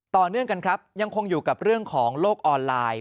ต่อเนื่องกันครับยังคงอยู่กับเรื่องของโลกออนไลน์